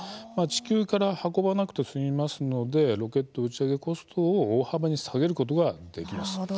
地球から運ばなくて済みますのでロケット打ち上げコストを大幅に下げることができます。